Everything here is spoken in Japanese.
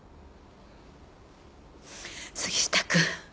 杉下くん。